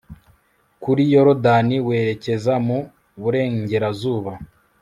kuri yorodani werekeza mu burengerazuba